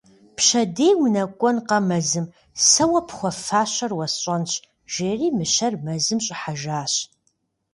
Пщэдей унэкӏуэнкъэ мэзым - сэ уэ пхуэфащэр уэсщӏэнщ, - жери мыщэр мэзым щӏыхьэжащ.